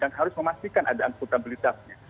dan harus memastikan ada akuntabilitasnya